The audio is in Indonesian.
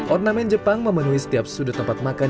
ornamen jepang memenuhi setiap sudut tempat makan